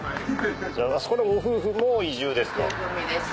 あそこのご夫婦も移住ですか？